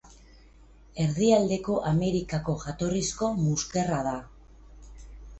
Erdialdeko Amerikako jatorrizko muskerra da.